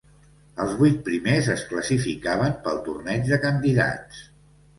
Els vuit primers es classificaven pel torneig de candidats.